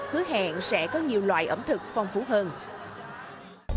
hứa hẹn sẽ có nhiều loại ẩm thực phong phú hơn